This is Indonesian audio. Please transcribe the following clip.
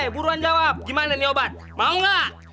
buruan jawab gimana nih obat mau nggak